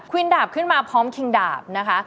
วินดาบขึ้นมาพร้อมคิงดาบนะคะ